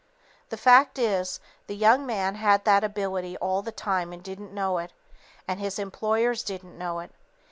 "The fact is, the young man had that ability all the time and didn't know it; and his employers didn't know it.